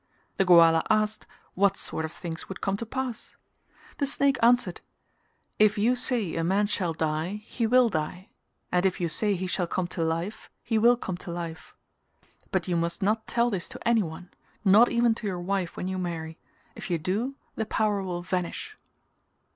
The Goala asked what sort of things would come to pass. The snake answered "If you say a man shall die he will die and if you say he shall come to life, he will come to life. But you must not tell this to anyone; not even to your wife when you marry; if you do the power will vanish."